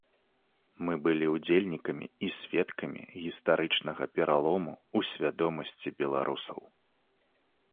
Мы былі ўдзельнікамі і сведкамі гістарычнага пералому ў свядомасці беларусаў.